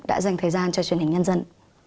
đã dành thời gian cho truyền hình nhân dân